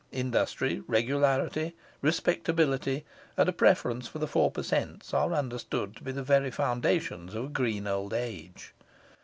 Industry, regularity, respectability, and a preference for the four per cents are understood to be the very foundations of a green old age.